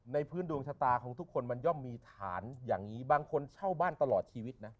พื้นดวงชะตาของทุกคนมันย่อมมีฐานอย่างนี้บางคนเช่าบ้านตลอดชีวิตนะ